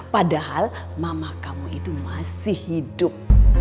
padahal mama kamu itu masih hidup